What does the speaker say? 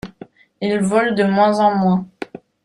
Il vole de moins en moins.